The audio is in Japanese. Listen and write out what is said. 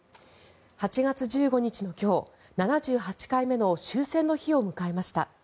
８月１５日の今日、７８回目の終戦の日を迎えました。